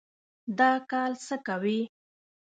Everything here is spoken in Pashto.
دا کال څه کوئ؟